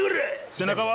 背中は？